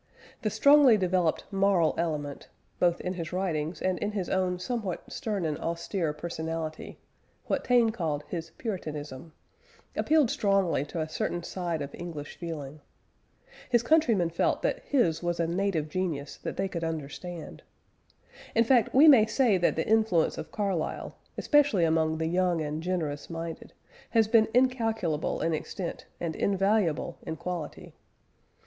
The strongly developed moral element, both in his writings and in his own somewhat stern and austere personality what Taine called his "puritanism" appealed strongly to a certain side of English feeling. His countrymen felt that his was a native genius that they could understand. In fact we may say that the influence of Carlyle, especially among the young and generous minded, has been incalculable in extent and invaluable in quality.